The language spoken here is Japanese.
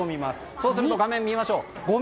そうすると画面を見ましょう。